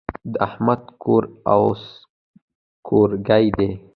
د احمد کور اوس کورګی دی.